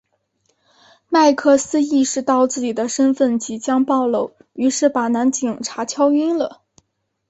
麦克斯意识到自己的身份即将暴露于是把男警察敲晕了。